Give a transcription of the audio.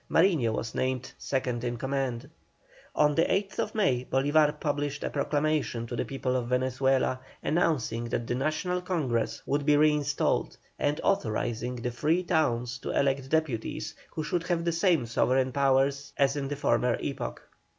Mariño was named second in command. On the 8th May Bolívar published a proclamation to the people of Venezuela, announcing that the National Congress would be reinstalled, and authorising the free towns to elect deputies, who should have the same sovereign powers as in the former epoch.